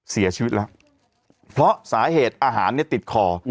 เสียชีวิตแล้วเพราะสาเหตุอาหารติดคอ